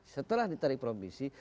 setelah ditarik ke provinsi